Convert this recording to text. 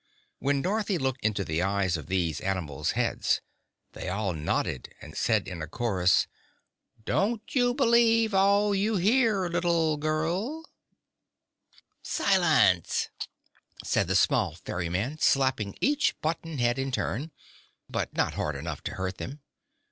When Dorothy looked into the eyes of these animals' heads, they all nodded and said in a chorus: "Don't believe all you hear, little girl!" "Silence!" said the small ferryman, slapping each button head in turn, but not hard enough to hurt them.